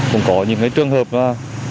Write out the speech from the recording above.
cũng có những cái trường hợp đó là